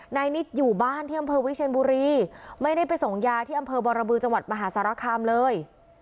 นายนิดอยู่บ้านที่อำเภอวิเชียนบุรีไม่ได้ไปส่งยาที่อำเภอบรบือจังหวัดมหาสารคามเลย